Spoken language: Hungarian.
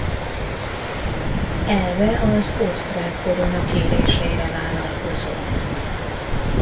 Erre az osztrák korona kérésére vállalkozott.